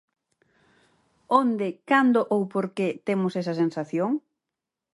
Onde, cando ou por que temos esta sensación?